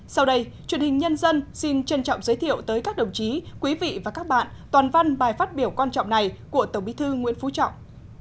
sau đây truyền hình nhân dân xin trân trọng giới thiệu tới các đồng chí quý vị và các bạn toàn văn bài phát biểu quan trọng này của tổng bí thư nguyễn phú trọng